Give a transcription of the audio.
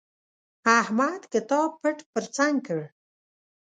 احمد کتاب پټ پر څنګ کړ.